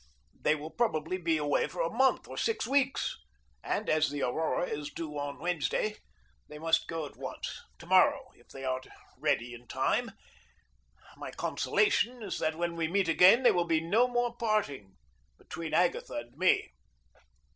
They will probably be away for a month or six weeks, and, as the Aurora is due on Wednesday, they must go at once to morrow, if they are ready in time. My consolation is that when we meet again there will be no more parting between Agatha and me.